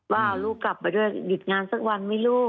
ว่าเอาลูกกลับไปด้วยหยุดงานสักวันไหมลูก